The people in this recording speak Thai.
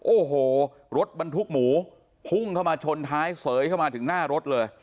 โอ้โหรถบรรทุกหมูพุ่งเข้ามาชนท้ายเสยเข้ามาถึงหน้ารถเลย